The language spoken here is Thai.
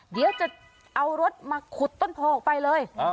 เดี๋ยวจะเอารถมาขุดต้นโพออกไปเลย